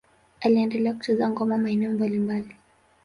Aliendelea kucheza ngoma maeneo mbalimbali.